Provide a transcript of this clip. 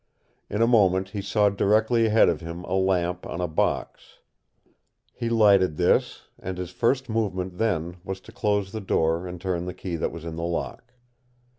In a moment he saw directly ahead of him a lamp on a box. He lighted this, and his first movement then was to close the door and turn the key that was in the lock.